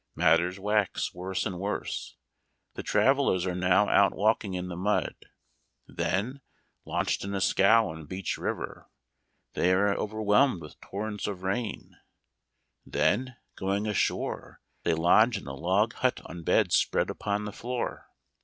Matters wax worse and worse. The travelers are now out walking in the mud ; then, launched in a scow on Beach River, they are overwhelmed with torrents of rain ; then, going ashore, they lodge in a log hut on beds spread upon the floor.